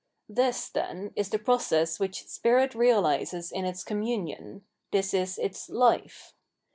This, then, is the process which Spirit reahses in its communion ; this is its life.